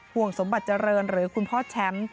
ห่วงสมบัติเจริญหรือคุณพ่อแชมป์